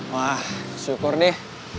wah syukur deh